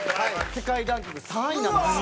世界ランキング３位なんですよ。